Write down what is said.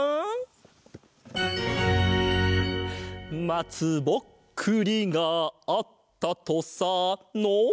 「まつぼっくりがあったとさ」の。